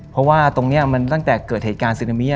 เพราะว่าตรงนี้มันตั้งแต่เกิดเหตุการณ์ซึนามี